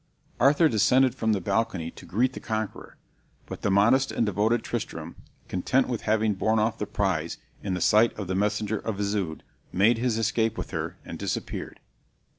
Arthur descended from the balcony to greet the conqueror; but the modest and devoted Tristram, content with having borne off the prize in the sight of the messenger of Isoude, made his escape with her, and disappeared.